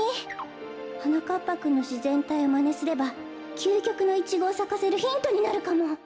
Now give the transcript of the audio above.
こころのこえはなかっぱくんのしぜんたいをまねすればきゅうきょくのイチゴをさかせるヒントになるかも！